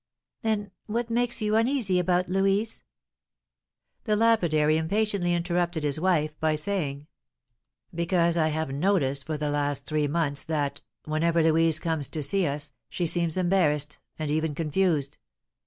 "Then what makes you uneasy about Louise?" The lapidary impatiently interrupted his wife by saying: "Because I have noticed for the last three months that, whenever Louise comes to see us, she seems embarrassed, and even confused.